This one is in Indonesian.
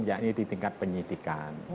yakni di tingkat penyidikan